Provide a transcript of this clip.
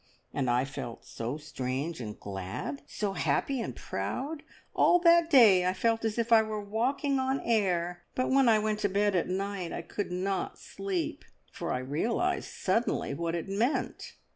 And I felt so strange and glad, so happy and proud; all that day I felt as if I were walking on air, but when I went to bed at night I could not sleep, for I realised suddenly what it meant.